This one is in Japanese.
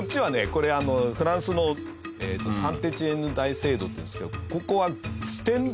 これフランスのサンテティエンヌ大聖堂っていうんですけど。